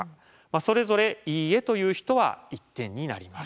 それぞれ「いいえ」という人は１点になります。